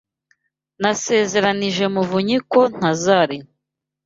Nasezeranije muvunyi ko ntazarira.